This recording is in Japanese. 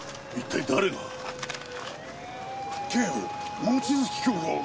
一体誰が。